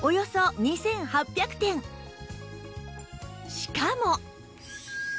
しかも